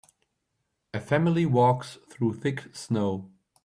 A family walks through thick snow.